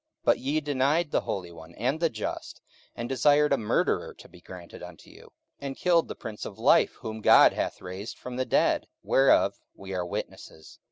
44:003:014 But ye denied the Holy One and the Just, and desired a murderer to be granted unto you; 44:003:015 And killed the Prince of life, whom God hath raised from the dead; whereof we are witnesses.